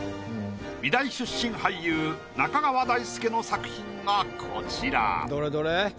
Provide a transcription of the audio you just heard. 美大出身俳優中川大輔の作品がこちら。